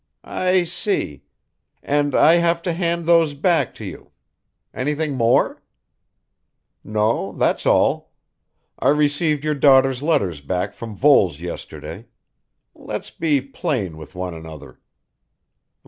"I see. And I have to hand those back to you anything more?" "No, that's all. I received your daughter's letters back from Voles yesterday Let's be plain with one another.